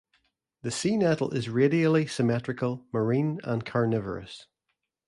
The sea nettle is radially symmetrical, marine, and carnivorous.